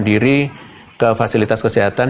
diri ke fasilitas kesehatan